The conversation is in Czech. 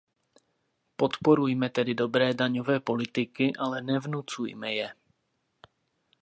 Podporujme tedy dobré daňové politiky, ale nevnucujme je.